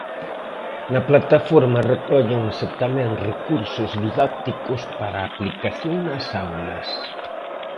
Na plataforma recóllense tamén recursos didácticos para a aplicación nas aulas.